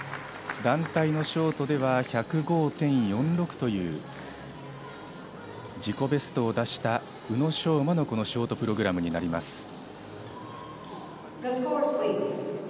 団体のショートでは１０５．４６という自己ベストを出した宇野昌磨のショートプログラムになります。